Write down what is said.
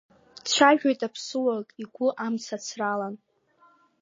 Дцәажәоит аԥсыуак игәы амца ацралан.